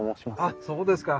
あっそうですか。